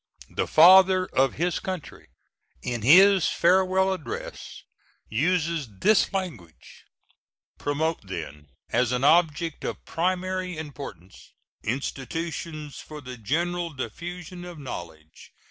The Father of his Country, in his Farewell Address, uses this language: Promote, then, as an object of primary importance, institutions for the general diffusion of knowledge.